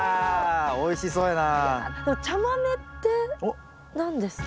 おいしそうやな。